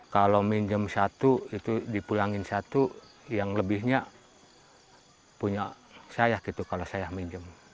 kalau minjem satu itu dipulangin satu yang lebihnya punya saya gitu kalau saya minjem